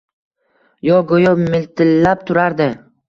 U go‘yo miltillab turardi.